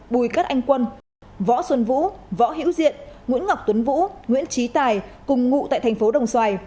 bùi cát anh quân võ xuân vũ võ hiễu diện nguyễn ngọc tuấn vũ nguyễn trí tài cùng ngụ tại thành phố đồng xoài